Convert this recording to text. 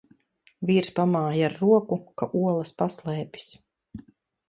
Vīrs pamāj ar roku, ka olas paslēpis.